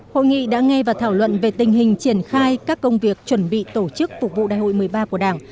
hội nghị đã nghe và thảo luận về tình hình triển khai các công việc chuẩn bị tổ chức phục vụ đại hội một mươi ba của đảng